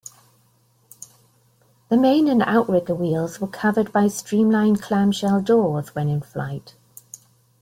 The main and outrigger wheels were covered by streamlined clamshell doors when in flight.